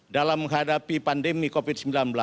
dalam menghadapi pandemi covid sembilan belas